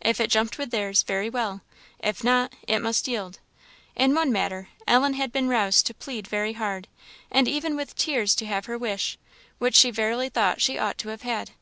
If it jumped with theirs, very well; if not, it must yield. In one matter, Ellen had been roused to plead very hard, and even with tears, to have her wish, which she verily thought she ought to have had.